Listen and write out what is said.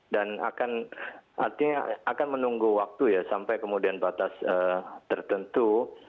dan akan artinya akan menunggu waktu ya sampai kemudian batas tertentu